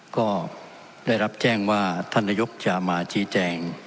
ก็ได้รับแจ้งว่าท่านนายกจะมาชี้แจง